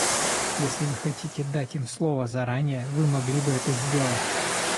Если Вы хотите дать им слово заранее, Вы могли бы это сделать.